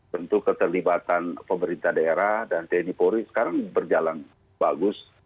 tentu keterlibatan pemerintah daerah dan tni polri sekarang berjalan bagus